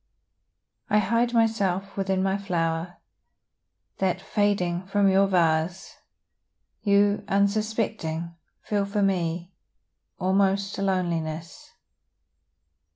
I hide myself within my flower, That, fading from your vase, You, unsuspecting, feel for me Almost a loneliness.